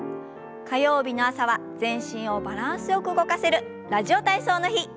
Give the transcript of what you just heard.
火曜日の朝は全身をバランスよく動かせる「ラジオ体操」の日。